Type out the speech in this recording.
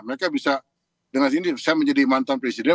mereka bisa dengan sini saya menjadi mantan presiden